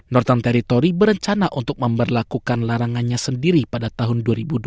northern territory berencana untuk memberlakukan larangannya sendiri pada tahun dua ribu dua puluh lima